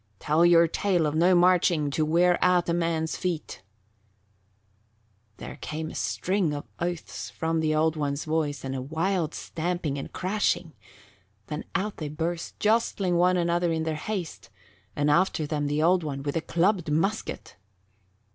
Tell your tale of no marching to wear out a man's feet " There came a string of oaths in the Old One's voice and a wild stamping and crashing; then out they burst, jostling one another in their haste, and after them the Old One with a clubbed musket.